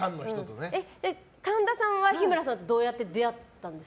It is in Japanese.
神田さんは日村さんとどうやって出会ったんですか？